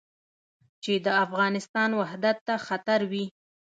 چې د افغانستان وحدت ته خطر وي.